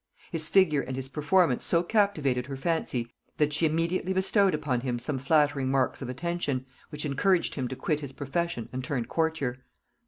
His figure and his performance so captivated her fancy, that she immediately bestowed upon him some flattering marks of attention, which encouraged him to quit his profession and turn courtier.